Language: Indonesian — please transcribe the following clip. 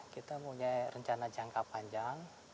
kita punya rencana jangka panjang